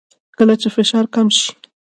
کله چې فشار کم شي